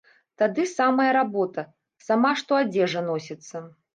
Тады самая работа, сама што адзежа носіцца.